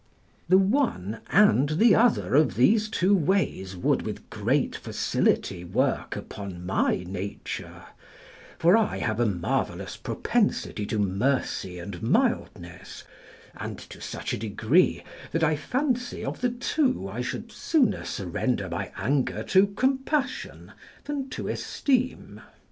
The one and the other of these two ways would with great facility work upon my nature; for I have a marvellous propensity to mercy and mildness, and to such a degree that I fancy of the two I should sooner surrender my anger to compassion than to esteem.